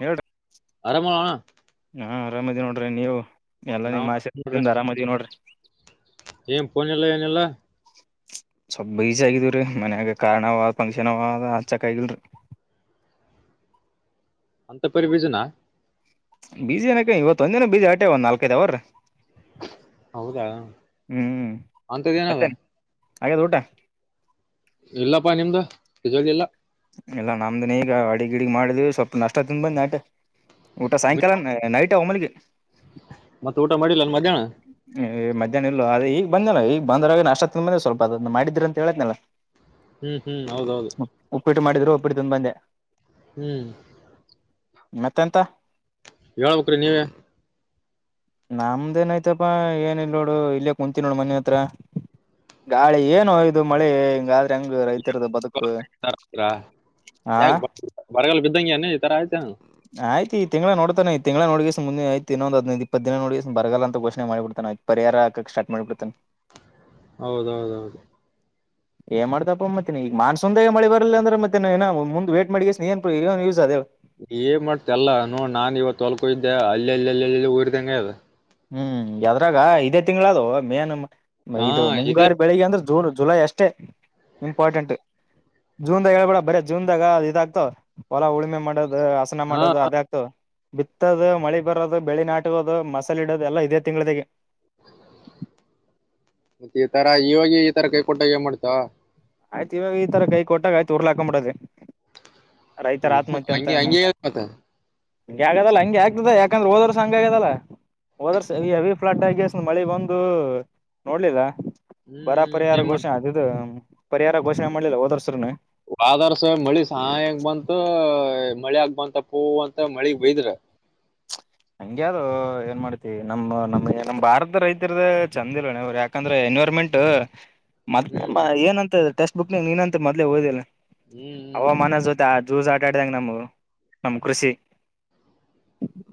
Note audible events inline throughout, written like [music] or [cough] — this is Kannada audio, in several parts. ಹೇಳ [unintelligible] ಅರಾಮದಿ ನೋಡ್ರಿ ನೀವು ಎಲ್ಲಾ ನಾವ್ ನಿಮ್ ಆಸೆ ನೋಡ್ರಿ ಅರಾಮದಿವಿ ನೋಡ್ರಿ ಏನ್ ಪೋನಲ್ಲ ಏನಿಲ್ಲ ಸ್ವಲ್ಪ ಬೀಜ ಆಗಿದವ್ರೀ ಮನ್ಯಾಗ ಕಾರಣವ ಫಂಕ್ಷನ್ ಅವ ಆಚಕ್ ಆಗಲ್ರಿ ಅಂತ ಪರಿ ಬಿಜನಾ ಬೀಜ ಏಕ್ಕೆ ಇವತ್ತ ಒಂದ್ ದಿನ ಬೀಜಿ ಆಟೆ ಒ ನಾಲ್ಕೈದ ಅವರ್ರು ಹೌದಾ ಅಂತದೇಏನಾವ ಹಾಗದು ಊಟ ಇಲ್ಲಪ್ಪಾ ನಿಮ್ದ [unintelligible] ಇಲ್ಲಾ ಇಲ್ಲಾ ನಮ್ದನ್ ಈಗ ಅಡಿಗ್ ಗಿಡಿಗ್ ಮಾಡಿದ್ವಿ ಸ್ವಲ್ಪ ನಷ್ಟ ತಿಂದ ಬಂದ ನಟ ಊಟ ಸಾಯಂಕಾಲ ನೈಟ್ ಅವಮಲಿಗೆ ಮತ್ತ ಊಟ ಮಾಡಿಲ್ಲ ಯೆನ್ ಮಧ್ಯಾಹನ ಏ್ ಮಧ್ಯಾಹ್ನ ಇಲ್ಲ ಅ ಈಗ ಬಂದ್ನಲ್ಲ ಈಗ ಬಂದ್ರಾಗ ನಷ್ಟ ಅ ಮಂದೆ ಸ್ವಲ್ಪ ಅದ ಮಾಡಿದ್ರಿ ಅಂತ ಹೇಳೇತ್ನಲ್ಲ ಹ್ಮ್ ಹ್ಮ್ ಹೌದೌದು ಟ್ಟು ಮಾಡಿದ್ರು ಒಬ್ಟ್ಟ ತಿಂದು ಬಂದೆ ಹ್ಮ್ ಮತ್ತೆ ಎಂತ ಹೇಳಬೆಕ್ರಿ ನೀವೇ ನಮ್ದೇನ ಆಯ್ತಪಾ ಏನ ಇಲ್ ನೋಡು ಇಲ್ಲೇ ಕುಂತೀ ನೋಡು ಮನೆ ಹತ್ರ ಗಾಳಿ ಏನುಯದು ಮಳೆ ಹಿಂಗಲ್ ಟಂಗ ರೈತರದ ಬದುಕು ಹಾ ಯಾಕೆ [inaudible] ಆಯ್ತ ಈ ತಿಂಗಳಳ ನೋಡ್ತಾನ ಈ ತಿಂಗಗಳ ನೋಗಿಸ ಮುಂದೆ ಆಯತ್ ಇನ್ನೊಂದ್ದ್ ಇಪ್ಪತ್ತ್ ದಿನ ನೋಡಿಸ ಬರಲ್ಲಂತ ಘಷೆ ಮಾಡಿಡ್ತೆ ಪರಿಹಾರ ಹಾಕಕ್ ಸ್ಟಾರ್ ಮಾಡ್ಬಿಡ್ತನ್ ಹೌದೌದೌದು ಏನ್ ಮಾಡ್ತಪ್ಪ ಮತ್ತೆನ ಈಗ ಮಾನ್ಸಂದೆ ಮಳಿ ಬರಲ್ಲ ಅಂದ್ರೆ ಮತ್ತೆ ಏ ಮುಂದ ವೇಟ್ ಮಾಡಿ ಏನ್ಯೂಸ್ ಅದೆ ಏನ್ ಮಾಡ್ತ ಅಲ್ಲ ನ ನಾನನ್ ಇವತ್ತು ತೋಲ್ಕೋ ಇದ್ದೆ ಅಲ್ಲಿ ಅಲ್ಲಿಲ್ಲಿಲ್ಲಿ [unintelligible] ಅ ಹ್ಮ್ ಅದ್ರಾಗ ಇದೇ ತಿಂಗಳ ಅದು ಮೇ ನ ಹಾ ಇದು ಇದೆ ಮುಂಗಾರಿ ಬೆಳಿಗ್ಗೆ ಅಂದ್ರೆ ಜೂನ್ ಜುಲೈ ಅಷ್ಟು ಅಷ್ಟೆ ಇಂಪಾರ್ಟೆಂಟ್ ಜೂನ್ದಾಗ ಹೇಳ್ಬೇಡ ಬರ ಜೂನ್ದಾಗ ಇದ ಆಗ್ತವ್ ಹೊಲ ಉಲ್ಮೆ ಮಾಡದು ಹಸನ ಹಾ ಮಾಡೋದು ಅದ ಆಗ್ತು ಬಿತ್ತದು ಮಳಿ ಬರೋದು ಬೆಳಿ ನಾಟಕೋದು ಮ ಇಡೋದೆಲ್ಲ ಇದೆ ತಿಂಗಳದಗೆ ಮತ್ತೆ ಈ ತರ ಇವೋಗ ಈತರ ಕೈ ಕೊಟ್ಟಾಗ ಮಾಡ್ತ ಆಯ್ತ ಇವಾಗ ಈ ತರ ಕೈ ಕೊಟ್ಟಾಗ ಆಯತ ಉರ್ ಹಾಕೊಂಬಿಡದೆ ರೈತರ ಆತ್ಮಹತ್ಯೆ ಅಂತ ಹಂಗೆ ಅಮ್ಮ ಹಂಗೆ ಮತ್ತ ಹಗೆ ಆಗದಲ್ಲ ಹಗೆ ಆಗ್ತದ ಯಾ ಯಾಕಂದ್ರೆ ಹೋದ್ರ ಸಂಂಗ ಆಗದಲ್ಲ ಹೋದರ್ಸ ಈ ಹೆವಿ ಫ್ಲಡ್ ಆಗಷ್ಟ ಮಳಿ ಬಂದು ನೋಡ್ಲಿಲ್ಲ ಹ್ಮ್ ಬರ ಹ್ಮ್ ಪರಿಹಾರ ಏನ್ ಮಾಡ್ತಿ ಘೋಷಣೆ ಅದದು ಪರಿಹಾರ ಘೋಷಣೆ ಮಾಡ್ಲಿಲ್ಲ ಹೋದರ್ಸ್ರನು ವಾದಾರ್ಸವ ಮಳಿ ಸಾಯಕ ಬಂತು ಮಳೆ ಆಗ್ಬಂತಪ್ಪ ಅಂತ ಮಳಿ ಬಯದ್ರ ಹಂಗಗೆ ಅದು ಏನ್ ಮಾಡ್ತಿವಿ ನಮ್ಮ ನಮ್ ನಮ್ ಭಾರತದ ರೈತ ಇರ್ದ ಚಂದ ಇಲ್ಲ ನೀವ್ರ ಯಾಕಂದ್ರೆ ಗೌರ್ಮೆಂಟ್ ಹ್ಮ್ ಮ ಏನಂತ ಟೆಕ್ಸ್ಟ್ ಬುಕ್ನ ನೀನಂತ ಮದಲೇ ಓದಿಲ್ಲ ಹ್ಮ್ ಹವಾಮಾನದ ಜೊತೆ ಜೂಜಾ ಆಟಾಡಿದಂಗ ನಮವು ನಮ್ಮ್ ಕೃಷಿ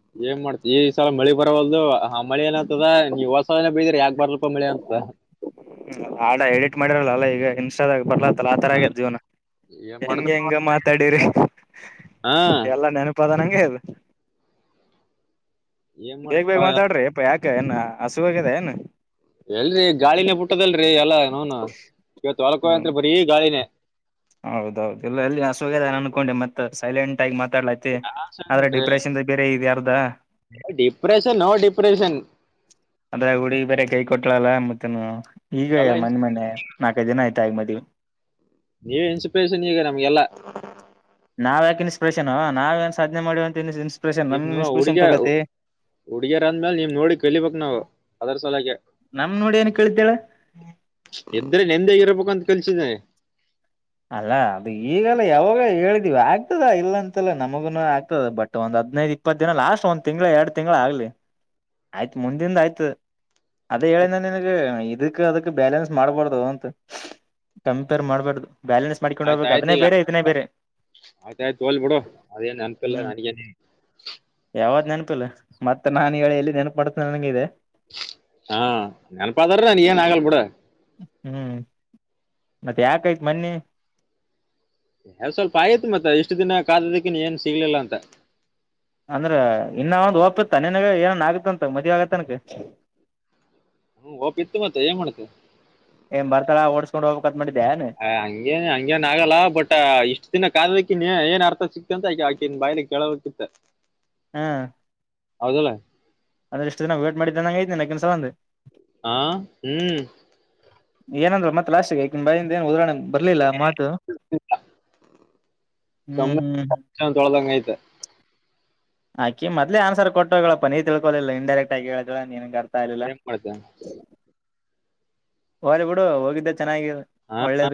ಹ್ಮ್ ಏನ್ ಮಾಡ್ತತಿ ಈ ಸಲ ಮಳಿ ಬರವಲ್ದು ಹ ಮಳಿ ಏತದ ನೀವು ಹೊಸ ಬ ಬರ್ಲೂಪ ಮಳೆ ಅಂತ ಹ್ಮ ಆಡ ಎಡಿಟ್ ಮಾಡಿರಲ್ಲಲ್ಲ ಈಗ ಇನ್ಸ್ಟಾದಾಗ ಬರ್ಲ ಲ ಆತರ ಹ ಆಗದ ಜೀವನ ಏನ್ ಮಾಡ್ದ ಹೆಂಗ ಹೆಂಗ ಮಾತಾಡರಿ ಹಾ ಎಲ್ಲಾ ನೆನಪಾದ ನಂಗೆದ ಏನ್ ಬೇಗ್ ಬೇಗ್ ಮಾಡ್ತಿಪಾ ಮಾತಾಡ್ರಿ ಯಾಕ ಏನ್ ಹಸುವಾಗಿದೆ ಏನು ಎಲ್ರರಿ ಗಾಳಿನೇ ಪುಟ್ಟದಲ್ರರಿ ಎಲ್ಲಾ ನೋನು ಇವತ್ತು ಹ್ಮ್ ಹೊಲ್ಕೋಯತ್ ಬರೀ ಗಾಳಿನೇ ಹೌದೌದು ಎಲ್ಲ ಎಲ್ಲಿಸೋಗದ ಅನ್ಕೊಂಡೆ ಮತ್ತತ್ ಸೈಲೆಂಟ್ ಆಗಿ ಮತ್ತೆ ಮಾತಾಡ್ಲತಿ ಆದ್ರೆ ಡಿಪ್ರೆಷನ್ ಬೇರೆ ಇದ ಅರ್ದ ನೋ ಡಿಪ್ರೆಷನ್ ನೋ ಡಿಪ್ರೆಷನ್ ಅದ್ರೆ ಹುಡುಗ ಬೇರೆ ಕೈ ಕೊಟ್ಲಲ್ಲ ಮತ್ತ ಈಗ ಎಲ್ಲ ಮನೆ ಮನೆ ನಾಲ್ಕೈ ಜನ ಆಯ್ತು ಟ ಆದ್ಮೇಲೆ ನೀವ ಇನ್ಸ್ಪಿರೇಷನ್ ಈಗ ನಮ್ಗೆಲ್ಲ ನಾವ್ ಯಾಕ ಇನ್ಸ್ರೇಷನ್ ನಾವ ಏನ್ ಸಾಧನೆ ಮಾಡ ಅಂತ ಇನ್ಪಿರೇಷನ್ ನಮ ಇನ್ಸ್ಪಿರೇಷನ್ ತಗತಿ ಹುಡುಗಿಯರ ಅಂದ್ಮೇಲ ನೀವ್ ನೋಡಿ ಕಲಿಬೇಕಕ್ ನಾವವು ಅದರ ಸಲಕ್ಕೆ ನಮ್ ನೋಡಿ ಏನ್ ಕೇಳ್ತೇಳ ಇದದ್ರೆ ನೆಂದೇಗ ಇರ್ಬೇಕಂತ ಕಲ್ಸಿದ್ದೇನೆ ಅಲ್ಲ ಅದು ಈಗಲ್ಲ ಯಾವಾಗ ಹೇಳಿದಿವವಿ ಆಗ್ತದ ಇಲ್ಲ ಅಂತಲ್ಲ ನಮಗುನು ಆಗ್ತದ ಬಟ್ ಒಂದ ಹದನೈದು ಇಪ್ಪತ್ತು ದಿನ ಲಾಸ್ಟ್ ಒಂದ್ ತಿಂಳ ಎರಡು ತಿಂಗಳು ಆಗ್ಲಿ ಆಯ್ತು ಮುಂದಿಂದ ಆಯ್ತು ಅದೇ ಹೇಳಿದ ನನ್ಗೆ ಇದಕ್ ಅದಕ್ ಬ್ಯಾಲೆನ್ಸ್ ಮಾಡ್ಬಾರ್ದು ಅಂತ ಕಂಪೇರ್ ಮಾಡ್ಬಾರ್ದು ಬ್ಯಾಲೆನ್ಸ್ ಮಾಡ್ಕೊಂಡು ಹೋಗ್ಬೇಕು ಅದನ್ನೇ ಬೇರೆ ಇದನ್ನೇ ಬೇರೆ ಆಯ್ತ ಆಯ್ತ ಒಲ್ ಬಿಡೋ ಅದೇಏನ ನನಕಲ್ಲ ಹ್ಮ್ ನನಗನೆ ಗೊ ಮತ್ತೆ ನಾನ್ ಹೇಳಿ ಎಲ್ಲಿ ನೆನಪ ಮಾಡತನ ನಂಗಗೆ ಇದೆ ಹಾ ನೆನಪದಾರ ನ ನೀ ಏನ್ ಆಗಲ್ ಬಿಡ ಹ್ಮ್ ಮತ್ತೆ ಯಾಕಾಯ್ತ್ ಮನ್ನಿ ಎಾವ ಸ್ವಲ್ಪ ಆಯತ್ ಮತ್ತ ಇಷ್ಟು ದಿನ ಕಾದದಕ್ಕಿನ್ ಏನ್ ಸಿಗ್ಲಿಲ್ಲ ಅಂತ ಅಂದ್ರ ಇನ್ನ ಒಂದು ಒಓಪತ್ತ ನನ್ಗ ಏನನ್ ಆಗತ್ತಂತ ಮದ್ವಿ ಆಗತ್ತನಕ ಹ್ಮ ಓಪ್ ಇತ್ತು ಮತ್ತೆ ಏನ್ ಮಾಡ್ತ ಏ್ ಬರ್ತಳ ಓಡ್ಸ್ಕೊಂಡ ಹೋಗಬೇಕ ಅ ಹಂಗೇ ಹಂಗೇನ್ ಆಗಲ್ಲ ಬಟ್ ಇಷ್ಟ್ ದಿನ ಕದಕ್ಕಿನ್ ಏನ್ ಅರ್ಥ ಸಿಕ್ತ ಅಂತ ಆಗ ಆಕನ್ ಬಾಯ್ಲಿ ಕೇಳಬೇಕಕತ್ತ ಹಾ ಹೌದಲ್ಲ ಅದ ಎಷ್ಟು ದಿನ ವೇಟ್ ಮಾಡಿದ್ದ ನಂಗೈಐನ ನಕ್ಕನ್ಸಲ ಒಂದು ಹಾ ಹ್ಮ್ ಏನಂದ್ರರು ಮತ್ತತ್ ಲಾಸ್ಟ್ಗಕ ಬಿಂದ ನ್ ಉದಣ ಬರ್ಲಿಲ್ಲ ಮಾತು ಹ್ಮ್ ಹ್ಮ್ ಹ್ಮ್ ಹತ್ತ [unintelligible] ಆಾಕ ಮದ್ಲೆ ಆನ್ಸರ್ ಕೊಟ್ಟೋಗ ಹೇಳಪ್ಪ ನೀ ತಿಳ್ಕೊಲಿಲ್ಲ ಇಂಡೈರೆಕ್ಟ್ ಆಗಿ ಹೇಳಿದ ನೀನ್ ಇದ ಹೆಂಗ ಮಾಡ್ತ ಹಓದ ಬಿುಡು ಹೋಗಿದ್ದೆ ಚೆನ್ನಾಗಿ ಹಾ ಒಳ್ಳೇದ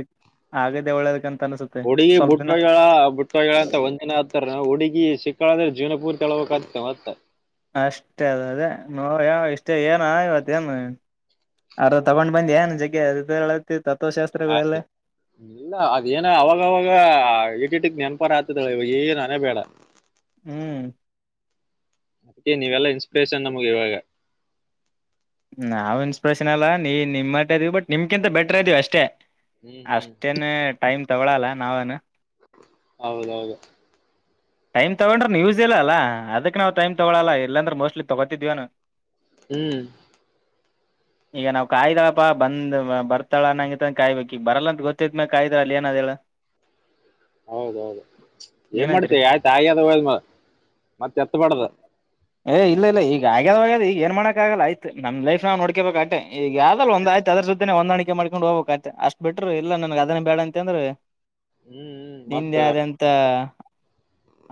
ಆಗಿದ್ದೇ ಒಳ್ಳೇದಕಂತ ಅನ್ಸುತ್ತೆ ಹುಡುಗಿ ಸ್ವಲ್ಪ ದಿನ ಬುಟ್ಟಗಳ ಬುಟ್ಟಗಳಂತ ಒಂದ್ ಜನ ಆಗ್ತಾರ ಹುಡುಗಿ ಸಿಕ್ಕಳಂದ್ರೆ ಜೀವನ ಪೂರ್ತಿ ಅಳಬೇಕ ಆತ್ತೆ ಮತ್ತೆ ಅಷ್ಟೇ ಅದ ಅದೇ ನೋ ಯಾವ ಇಷ್ಟೇ ಏನ ಇವತ್ತೇಏನು ಅರ ತಗೊಂಡ್ ಬಂದ ಏನ್ ಜಗ್ ಆ ಇಲ್ಲ ಅದೇನ ಅವಾಗವಾಗ ಇಟ್ಟಿಟ್ಟಕ್ ನೆನ್ಪ ಪ್ಪರ ಆತದಳ ಇವ ಏ ನನೆೇ ಬೇಡ ಹ್ಮ್ ಅದಕ್ಕೆ ನೀವೆಲ್ಲಾ ಇನ್ಸ್ಪಿರೇಷನ್ ನಮಗೆ ಇವಾಗ ನಾವವುಇನ್ಸ್ಪ್ರೆಷನ್ ಅಲ್ಲಾ ನೀ ನಿಮ್ ಮಟ್ಟ ಇದೀವಿ ಬಟ್ ನಿಮ್ಕಿಂತ ಬೆಟರ್ ಇದೀವಿ ಅಷ್ಟೇ ಹ್ಮ್ ಹ್ಮ್ ಅಷ್ಟೇನ್ ಟೈಮ್ ತಗೊಳಲ್ಲ ನಾವನು ಹೌದೌದು ಟೈಮ್ ತಗೊಂಡ್ರೆ ನ್ಯೂಸ್ ಇಲ್ಲ ಅಲ್ಲ ಅದಕ್ಕೆ ನಾವು ಟೈಮ್ ತೊಗೊಳಲ್ಲ ಇಲ್ಲಾಂದ್ರೆ ಮೋಸ್ಟ್ ತೊಗೋತಿದ್ವಿನು ಹ್ಮ್ ಈಗ ನಾವು ಕಾಯ್ದಾಳಪ್ಪಾ ಬಂದ್ ಬರ್ತಾಳ ನಂಗ ಕಾಯ್ಬೇಕಿಕ್ ಬರಲ್ಲ ಅಂತ ಗೊತ್ತ್ ಮ್ಯಲೆ ಕಾಯ್ದಾಳ ಅಲ್ಲಿ ಏನಾದ ಹೇಳ [unintelligible] ಹೌದೌದು ಏನ್ ಏನಂತೀರಿ ಮಾಡ್ತೇವಿ ಆಯ್ತ ಹಾಗೆ ಅದ ಹ ಮತ್ತೆ ಎತ್ತಬಡ್ದ ಏ ಇಲ್ಲ ಈಗ ಆಗ್ಯದ ಆ್ಯದ ಈಗ ಏನ್ ಮಾಡಕ ಆಲ್ಲಯತತ್ ನಮ್ಮ ಲೈಫ್ ನೋಡ್ಕಬೇಕಾಗ ಯಾವಾದಲ್ಲಿ ಒಂದ ಆಯ್ತ ಆದದರ ಅಹೊಂದಾಣಿಕೆ ಮಾಡ್ಕೊಂಡ್ ಹೋಗಬೇಕಕ್ ಆ್ತೆ ಅಷ್ಟ ಬಿರರು ಇಲ್ಲ ನನ್ ಅದೇ ಬೇಡ ಅಂತಂದ್ರೆ ಹ್ಮ್ ಹ್ಮ್ ಮತ್ತ ನಿದೆಂತ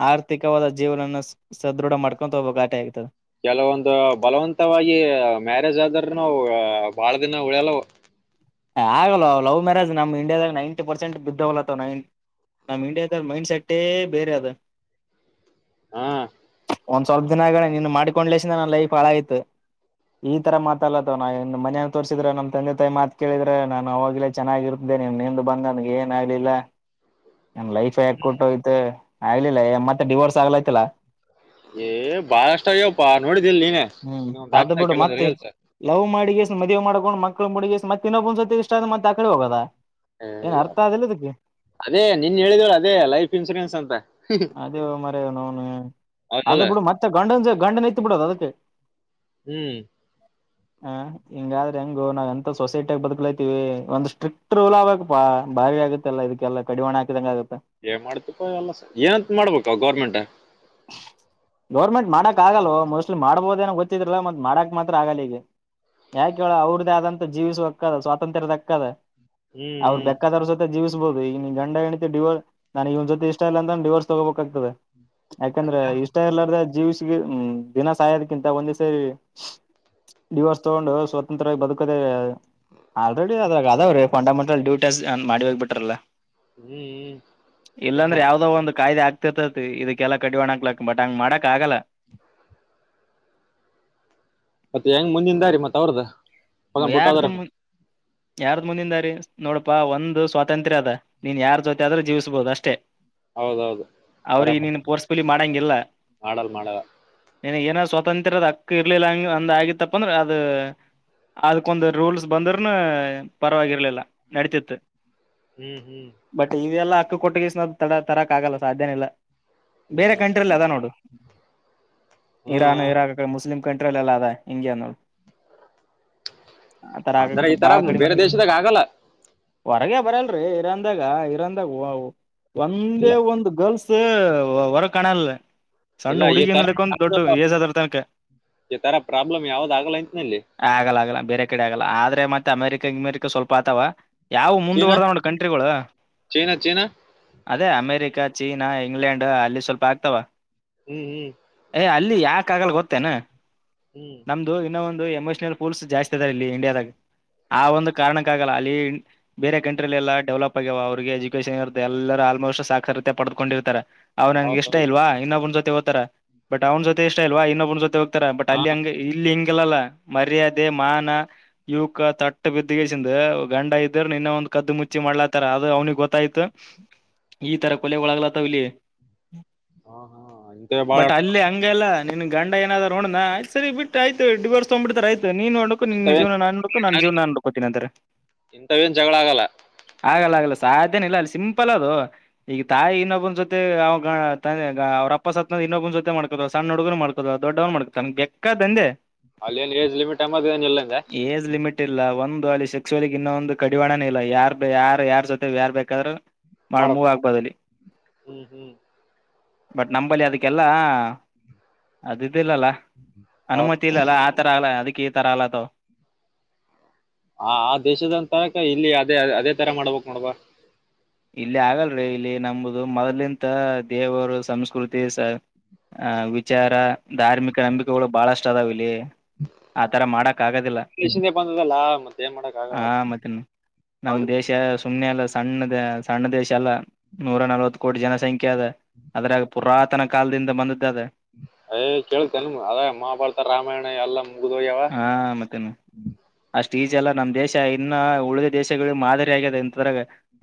ಆರ್ಥಿಕವಾದ ಜೀವನನ ಸದೃಢ ಮಾಡ್ಕೊು ಹಬ್ಬ ಘಟೆ ಆಗ್ತದೆ ಕೆಲವೊಂದು ಬಲವಂತವಾಗಿ ಮ್ಯಾರೇಜ್ ಆದ್ರ ನವು ಬಹಳ ದಿನ ಉಳಿಯಲ್ಲವು ಆಗಲ್ವ ಲವ್ ಮ್ಯಾರೇ ನ್ ಇಂಡಿಯಾದಾಗ ನೈಂಟಿ ಪರ್ಸೆಂಟ್ ಬಿದ್ದವಲತ್ತವ ನೈನ್ಟಿ ನಮ್ಮ್ ಇಂಡಿಯಾದ ಮೈಂಡ್ ಸೆಟ್ಟೇ ಬೇರೆ ಅದು ಹಾ ಒಂದ್ ಸ್ವಲ್ಪ ದಿನ ಆಗಣ ನೀನು ಮಾಡ್ಕೊಂಡ್ಲಸ ನನ್ ಲೈಫ ಹಾಳ ಆ್ತು ಈ ತರ ಮಾತಲ್ಲತ್ತವ ನಾ ಮನ ತೋರ್ಸಿದ್ರೆ ನಮ್ ತಂದೆ ತಾಯಿ ಮಾತ್ ಕೇಳಿದ್ರೆ ನಾನು ಅವಾಗ್ಲೇ ಚೆನ್ನಾಗಿರ್ತೆ ನೀನಿಂದು ಬಂದ ನನ್ಗೆ ಏನ ಆಗ್ಲಿಲ್ಲ ನಂಗ ಲೈಫ್ ಹಾಕ್ಕಟ್ಟುಯ್ತ ಆಗ್ಲಿಲ್ಲ ಮತ್ತೆ ಡಿವೋರ್ಸ್ ಆಗ್ಲತಲ್ಲಾ ಏ ಬಾಳ ಇಷ್ಟ ಆಗ್ಯಪ್ಪಾ ನೋಡಿದ ಇಲ್ ನೀನೇ ಹ್ಮ್ ಇನ್ನೊಂದ ಆಾಕ್ತಾ ಕೆಲದ್ರ ಎಲ್ಸ ಮದುವ ಮಾಡಕೊಂಡ್ ಮಕ್ಳ ಮುಗ ಮತ್ತ ಇಬ್ ಒಂದ ಸತಿ ಇಷ್ಟ ಅ ಮತ್ತ ಅ ಕಡೆ ಹೋಗದ ಏನ್ ಅರ್ಥ ಆದಿಲ್ಲ ಇದಕ್ಕೆ ಅದೇ ನಿನ್ ಹೇಳಿದವಳು ಅದೇ ಲೈಫ್ ಇನ್ಶೂರೆನ್ಸ್ ಅಂತ ಹೌದಲ್ಲ ಅ ಬಿಡ ಮತ್ತೆ ಗಂಡ ಗಂಡ ನೈತ ಬಿಡದು ಅದಕ್ಕೆ ಹ್ಮ್ ಹ ಹಿಂಗಾದ್ರೆ ಹೆಂಗು ನಾವ್ ಎಂತ ಸೊಸೈಟಿಗ ಬದುಕಲೈತಿವಿ ಒಂದ್ ಸ್ಟ್ರಿಕ್ಟ್ ರೂಲ್ ಆಗ್ಬೇಕಕ್ಪ್ಪಾ ಭಾರಿ ಆಗುತ್ತೆಲ್ಲ ಇದಕ್ಕೆಲ್ಲ ಕಡಿವಾಣ ಹಾಕಿದಂಗ ಆಗುತ್ತೆ ಏ ಮಾಡ್ತಿಪ್ಪ ಎಲ್ಲ ಏನಂತ ಮಾಡ್ಬೇಕ ಗೌರ್ಮೆಂಟ್ ಗೌರ್ಮೆಂಟ್ ಮಾಡಕ್ ಆಗಲ್ವ ಮೋಸ್ಟ್ ಮಾಡ್ಬೋದ ಏನ ಗೊತ್ತಿದ್ರಲ್ಲ ಮತ್ ಮಾಡಕ್ ಮಾತ್ರ ಆಗಲ್ಲ ಈಗ ಯಾಕ ಹೇಳೇಳ ಅವ್ರದ್ದೇ ಆದಂತ ಜೀವಿಸಕ್ಕದ ಸ್ವಾತಂತ್ರ್ಯದಕ್ಕದ ಹ್ಮ್ ಅವ್ರು ಹ್ಮ್ ಬೇಕಾದವ್ರ ಸೊತೆ ಜೀವ ಬಹುದು ಈಗ ನೀ ಗಂಡ ಹೆಂಡತಿ ಡಿವೋರ್ ನನಗವ್ ಜೊತೆ ಇಷ್ಟ ಇಲ್ಲ ಅಂದ ಡಿವೋರ್ಸ್ ತಗೋಬೇಕಾಗ್ತದೆ ಯಾಕಂದ್ರ ಇಷ್ಟ ಇರ್ಲಾರ್ರ ಜೀವ್ಸಗ ದಿನ ಸಾಯೋದಕ್ಕಿಂತ ಒಂದೇ ಸರಿ ಡಿವಾರ್ಸ್ ತಗೊಂಡು ಸ್ವಾತಂತ್ರ್ಯವಾಗಿ ಬದುಕದೇ ಆಲ್ರೆಡಿ ಅದ್ರಾಗ ಅದಾವ್ರೀ ಫಂಡೆಂಟಲ್ ಡೂಟಿ ಮಾಡಿ ಹೇಕ್ ಬಿಟ್ರಲ್ಲ ಹ್ಮ್ ಏನ್ ಇಲ್ಲಾಂದ್ರೆ ಮಾಡ ಯಾವ್ದೋ ಒಂದು ಕಾಯ್ದೆ ಆಗ್ತಿತತಿ ಇದಕ್ಕೆ ಎಲ್ಲ ಕಡಿವಾಣಕ್ ಬಟ್ ಹಂಗ್ ಮಾಡಕಕ್ಗಲ್ಲ [unintelligible] ಮತ್ತೆ ಹೆಂಗ್ ಮುಂದಿಂದ ರೀ ಮತ್ ಅವ್ರದ ಹೊಗನ್ ಬಿಟ್ಟು ಮಯಾರ್ದ ಹೋದ್ರ ಮು [inaudible] ಯಾರ್ದ ಮುಂದಿದದಾರಿ ನೋಡಪಾ ಒಂದು ಸ್ವಾತಂತ್ರ್ಯ ಅದ ನೀನ್ ಯಾರ್ ಜೊತೆ ಆದ್ರೂ ಜೀವಿಸಬಹುದು ಅಷ್ಟೇ. ಹೌದೌದು ಅವ್ರಿಗೆ ಬರಬರ್ ನೀನು ಪೋರ್ಸ್ಪಲಿ ಮಾಡಂಗಿಲ್ಲ. ಮಾಡಲ್ ಮಾಡಲ್ಲ ನೀನ ಏನಾದ ಸ್ವಾತಂತ್ರದ್ ಹಕ್ಕ ಇರ್ಲಿಲ್ಲ ಅಂಗ ಅಂದ ಆಗಿತ್ತಪ್ಪ ಅಂದ್ರ ಅದು. ಅದಕ್ಕೊಂದು ರೂಲ್ಸ್ ಬಂದ್ರೂನು ಪರವಾಗಿರ್ಲಿಲ್ಲ ನಡಿತಿತ್ತು. ಹ್ಮ್ ಹ್ಮ್ ಬಟ್ ಇವೆಲ್ಲಾ ಹಕ್ಕ ಕೊಟ್ಟಗಸ ತಡ ತರಕ್ ಆಗಲ್ಲ ಸಾಧ್ಯನ ಇಲ್ಲ ಬೇರೆ ಕಂಟ್ರಿಲೀ ಅದ ನೋಡು ಇರಾನ್ ಹ್ಮ್ ಇರಾಕ್ ಮುಸ್ಲಿಂ. ಕಂಟ್ರಿಲೀ ಎಲ್ಲ ಅದಾ ಇಂಗೆನೋಡ ಆತರ ಅಂದ್ರೆ ಆಗಕ್ಕ ಈ ತರ ಬಾಳ ಕಡಿಮೆ ಬೇರೆ ಆಕಡಿ ದೇಶದಾಗ ಆಗಲ್ಲ ಹೊರಗೆ ಬರಲ್ರಿ ಇರಂದಾಗ ಇರಂದಾಗ ಇಲ್ಲ ಒಂದೇ ಒಂದು ಗರ್ಲ್ಸ್ ಒರಗ ಕಾಣಲ್ ಇಲ್ಲ ಈ ತರ ತನಕ ಈ ತರ ಪ್ರಾಬ್ಲಮ್ ಯಾವ್ದ್ ಆಗಲ್ಲ ಅಂತನಲ್ಲಿ. ಆಗಲ್ಲ ಆಗಲ್ಲ ಬೇರೆ ಕಡೆ ಆಗಲ್ಲ ಆದ್ರೆ ಮತ್ತೆ ಅಮೆರಿಕ ಅಮೆರಿಕ ಸ್ವಲ್ಪ ಆತವ. ಯಾವ ಚೀನಾ ಮುಂದುವರ್ದ ನೋಡ ಕಂಟ್ರಿಗಳು. ಚೀನಾ ಚೀನಾ ಅದೇ ಅಮೇರಿಕ ಚೀನಾ ಇಂಗ್ಲೆಂಡ್ ಅಲ್ಲಿ ಸ್ವಲ್ಪ ಆಗ್ತಾವ. ಹ್ಮ್ ಹ್ಮ್ ಏ ಅಲ್ಲಿ ಯಾಕ ಆಗಲ್ಲ ಗೊತ್ತೇನಾ ಹ್ಮ್ ನಮ್ದು ಇನ್ನೊ ಒಂದು. ಪೂಲ್ಸ್ ಜಾಸ್ತಿ ಇದಾವ ಇಲ್ಲಿ ಇಂಡಿಯಾದಾಗ ಆ ಒಂದು ಕಾರಣಕ್ಕ ಆಗಲ್ಲ ಅಲ್ಲಿ ಬೇರೆ ಕಂಟ್ರಿಲಿ ಎಲ್ಲ ಡೆವಲಪ್ ಆಗ್ಯಾವ ಅವ್ರಿಗೆ ಎಜುಕೇಶನ್ ಇರತ ಎಲ್ಲ ಆಲ್ಮೋಸ್ಟ್ ಸಾಕ್ಷರತೆ ಪಡೆದಕೊಂಡಿರ್ತಾರ ಅವ್ ನನ್ಗೆ ಇಷ್ಟ ಹೌದೌದು ಇಲ್ವಾ ಇನ್ನೊಬ್ಬನ ಜೊತೆ ಹೋಗ್ತಾರ ಬಟ್ ಅವ್ನ ಜೊತೆ ಇಷ್ಟ ಇಲ್ವಾ ಇನ್ನೊಬ್ನ ಜೊತೆ. ತರ ಬಟ್ ಹಾ ಅಲ್ಲಿಂಗ ಇಲ್ಲಿ ಹಿಂಗಲ್ಲಲ್ಲ ಮರ್ಯಾದೆ. ನಾನ ಯುವಕ ತಟ್ಟ ಬಿದ್ದಗಸ ಗಂಡ ಇದರು ನಿನ್ನ ಒಂದ್ ಕದ್ದು ಮುಚ್ಚಿ ಮಾಡ್ಲಾತಾರ ಅದು ಅವನ ಗೊತ್ತಾಯ್ತು ಈ ತರ ಕೊಲೆಗಳಗ್ತವ ಇಲ್ಲಿ ಹಾ ಹಾ ಇಂತವ ಬಾಳ ಬಟ್ ಅಲ್ಲಿ ಹಂಗಲ್ಲ ನಿನ್ ಗಂಡ ಏನಾದರ ಹೋಡದ ಆಯತ ಸರಿ ಬಿಟ್ಟ ಆಯ್ತ ಡಿವರಸ ತೊಂದ ಬಿಡತನ್ ಆಯತ ನೀನ್ ನೋಡ್ಕು ನಿನ್ ಇಂತವೇನ್ ಜೀವನ ನಾನ್ ನೋಡ್ಕು ನಾನ್ ಜೀವನ ನಡ್ಕೊತೀನಿ ಅಂತಾರ ಇಂತವೇನ್ ಜಗಳ ಆಗಲ್ಲ ಆಗಲ್ಲ ಆಗಲ್ಲ ಸಾಧ್ಯನ ಇಲ್ಲ ಅಲ್ಲಿ ಸಿಂಪಲ್ ಅದೋ ಈಗ ತಾಯಿ ಇನ್ನೊಬನ್ ಜೊತೆ ಅವ [unintelligible] ಅವ್ರ ಅಪ್ಪ ಸತ್ನ ಇನ್ನೊಬ ಜೋತೆ ಮಾಡ್ಕತವ ಸಣ್ಣ ಹುಡುಗನ ಮಾಡ್ಕತವ ದೊಡ್ಡವ್ ಮಾಡಕತನ ಬೇಗೆಕ್ಕದಂದೆ ಅಲ್ಲೇನ್ ಏಜ್ ಲಿಮಿಟ್ ಎಂಬದ ಏನ್ ಇಲ್ಲಂದೆ ಏಜ್ ಲಿಮಿಟ್ ಇಲ್ಲ ಒಂದ ದು ಅಲ್ಲಿ ಸೆಕ್ಸವಲಗಿ ಇನ್ನೊ ಒಂದು ಕಡಿವಾಣನ ಇಲ್ಲ ಯಾರ ಯಾರ ಯಾರ್ ಜೊತೆ ಯಾರ್ ಬೇಕಾದ್ರರು. ಬಾಳಮೂವ ಮಾಡ್ಬೇಕು ಆಗಬಹುದು ಅಲ್ಲಿ ಹ್ಮ್ ಹ್ಮ್ ಬಟ್ ನಂಬಲ್ಲಿ ಅದಕ್ಕೆಲ್ಲಾ ಅದು ಇದಿಲ್ಲಲ್ಲ ಹೌದು ಅನುಮತಿ ಇಲ್ಲಲ್ಲ. ರಾಲ ಅದಕ್ಕೆ ಇತರ ಅಲತವ ಆ ಆ ದೇಶದಂತಕ ಇಲ್ಲಿ ಅದೇ ಅದೇ ತರ ಮಾಡ್ಬಕ್ ನೋಡವ ಇಲ್ಲಿ ಆಗಲ್ರಿರಿ ಇಲ್ಲಿ ನಂಬುದು ಮೊದ್ಲಿಂತ ದೇವರು ಸಂಸ್ಕೃತಿ ಸ ಆ ವಿಚಾರ ಧಾರ್ಮಿಕ ನಂಬಿಕೆಗಳು ಬಾಳ ಅಷ್ಟ ಅದಾವ ಇಲ್ಲಿ. ಆತರ ಮಾಡಕ್ ಆಗದಿಲ್ಲ ಇಂದ ಬಂದದಲ್ಲ ಮತ್ತ ಏನ್ ಮಾಡಕ್ ಆ ಆಗಲ್ಲ ಮತ್ತನ್ನ ನಮ್ಮ್ ಹೌದ ದೇಶ ಸುಮ್ನೆ ಅಲ್ಲ ಸಣ್ಣದ ಸಣ್ಣ ದೇಶ ಅಲ್ಲಾ ನೂರ ನಲ್ವತ್ ಕೋಟಿ ಜನಸಂಖ್ಯೆ ಅದ ಅದ್ರಾಗ ಪುರಾತನ ಕಾಲದಿಂದ ಬಂದದ್ದ ಅದ ಏ ಕೇಳ್ತೇನ ಅದ ಮಹಾಭಾರತ ರಾಮಾಯಣ ಎಲ್ಲ ಹಾ ಮತ್ತೇನ ಅಷ್ಟ ಅಷ್ಟ ಈಜಿ ನಮ್ಮ ದೇಶ ಇನ್ನ ಉಳಿದ ದೇಶಗಳಿಗೆ ಮಾದರಿ ಆಗ್ಯಿದ ಇಂತದರಾಗ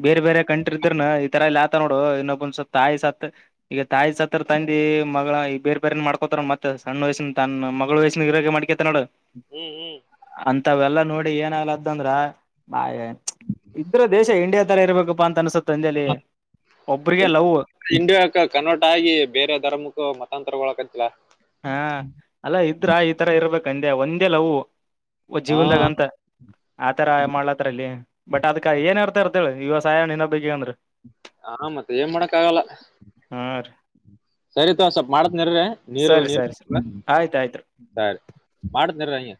ಬೇರೆ ಬೇರೆ ಕಂಟ್ರಿ ಇದ್ರನು ಈ ತರ ನೋಡು ಇನ್ನೊಬ್ಬಂದ್ಸ ತಾಯಿ ಸತ್ತ ಈಗ ತಾಯಿ ಸತ್ತರ ತಂದಿ ಮಗಳ ಈ ಬೇರ್ ಬೇರೆ ಏನ್ ಮಾಡ್ಕೋತಾರ ಮತ್ತ ಸಣ್ಣ ವಯಸ್ಸಿನ ತನ್ ಮಗಳ ವಯಸಿನ ಇರೆ ಮಾಡ್ಕತ ನೋಡು ಹ್ಮ್ ಹ್ಮ್ ಇಂಥವೆಲ್ಲ ನೋಡಿ ಏನಾಗಲದ ಅಂದ್ರ ಬ ಇದ್ರ ದೇಶ ಇಂಡಿಯಾ ರ ಇರಬೇಕಪ್ಪಾ ಅಂತ ಅನ್ಸುತ್ತೆ ಅಂಜಲಿ ಒಬ್ರಿಗೆ ಲವ್ ಇಂಡಿಯಾಕ ಕನ್ವರ್ಟ್ ಆಗಿ ಬೇರೆ ಧರ್ಮಕ್ಕ ಮತಾಂತರಗಳಕ- ಹಾ ಅಲ್ಲ ಇದ್ರ ಈ ತರ ಇರ್ಬೇಕಂದೆ ಒಂದೇ ಲವು ಒ ಹಾ ಜೀವನ್ದಾಗ ಅಂತ ಆತರ ಮಾಡ್ಲತ್ತಲ್ಲಿ ಬಟ್ ಅದಕ ಅರ್ಥ ಅಳ ಇವಾಗ ಸಾಯಣನ ಬೇಕ ಅಂದ್ರೆ. ಹ ಮತ್ತ ಏನ್ ಮಾಡಕ್ ಆಗಲ್ಲ ಹಾ ರೀ ಸರಿತ್ ಸ್ವಲ್ ಮಾಡತ್ನರ್ರಿ. ನೀರು ಸರಿ ನೀರು ಸರಿ ಸರಿ ಆಯ್ತ ಆಯ್ತು ಸರಿ ಮಾಡುದ್ನ ಹಂಗೆ.